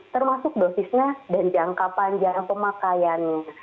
termasuk dosisnya dan jangka panjang pemakaiannya